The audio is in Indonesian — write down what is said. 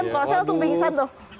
puasanya langsung bingesan tuh